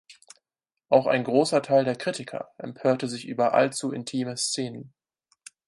Auch ein großer Teil der Kritiker empörte sich über allzu intime Szenen.